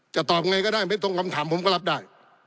ตอบไงก็ได้ไม่ตรงคำถามผมก็รับได้